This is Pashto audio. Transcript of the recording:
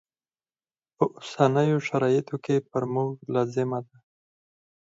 په اوسنیو شرایطو کې پر موږ لازمه ده.